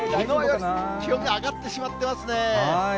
気温が上がってしまっていますね。